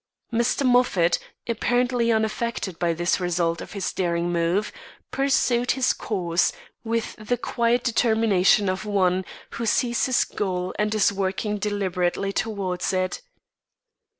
Mr. Moffat, apparently unaffected by this result of his daring move, pursued his course, with the quiet determination of one who sees his goal and is working deliberately towards it.